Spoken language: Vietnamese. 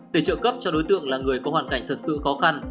để trợ cấp cho đối tượng là người có hoàn cảnh thật sự khó khăn